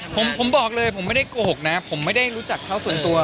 ผมบอกเลยผมไม่ได้โกหกนะผมไม่ได้รู้จักเขาส่วนตัว